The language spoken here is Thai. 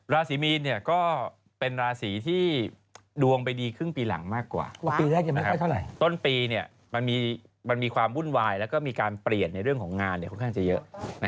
ราศีมีนก็เป็นราศีที่ดวงไปดีครึ่งปีหลังมากกว่าต้นปีมันมีความวุ่นวายและมีการเปลี่ยนในเรื่องของงานค่อนข้างเยอะ